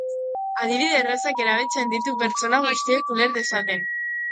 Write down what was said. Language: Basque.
Adibide errazak erabiltzen ditu pertsona guztiak uler dezaten.